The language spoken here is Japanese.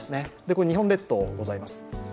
ここに日本列島がございます。